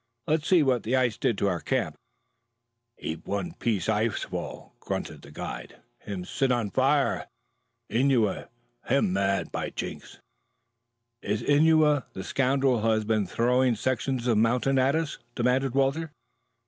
Let's see what the ice did to our camp." "Heap one piece ice fall," grunted the guide. "Him sit on fire. Innua him mad, by jink!" "Is Innua the scoundrel who has been throwing sections of mountains at us?" demanded Walter.